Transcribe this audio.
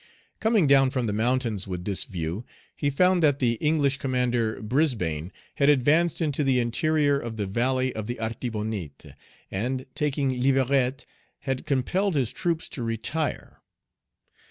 Coming down from the mountains with this view, he found that the English commander, Brisbane, had advanced into the interior of the valley of the Artibonite, and, taking Les Vérettes, had compelled his troops to retire.